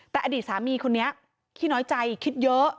แต่อดีตสามีคนนี้ขี้น้อยใจคิดเยอะ